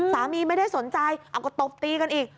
ไม่ได้สนใจเอาก็ตบตีกันอีก